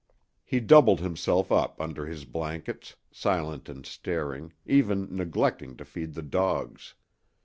He doubled himself up under his blankets, silent and staring, even neglecting to feed the dogs.